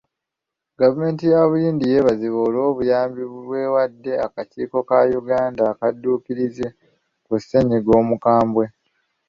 Gavumenti ya Buyindi yeebazibwa olw'obuyambi bw'ewadde akakiiko ka Uganda akadduukirize ku ssennyiga omukambwe.